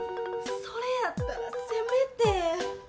それやったら、せめて。